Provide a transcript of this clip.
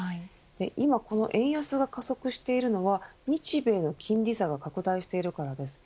今円安が加速しているのは日米の金利差が拡大しているからです。